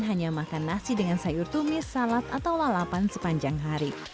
hanya makan nasi dengan sayur tumis salad atau lalapan sepanjang hari